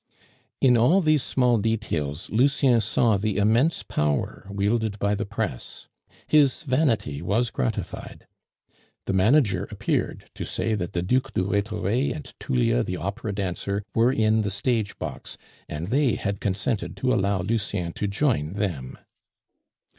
In all these small details Lucien saw the immense power wielded by the press. His vanity was gratified. The manager appeared to say that the Duc de Rhetore and Tullia the opera dancer were in the stage box, and they had consented to allow Lucien to join them.